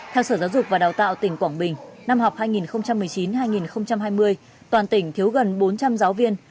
theo sở giáo dục và đào tạo tỉnh quảng bình năm học hai nghìn một mươi chín hai nghìn hai mươi toàn tỉnh thiếu gần bốn trăm linh giáo viên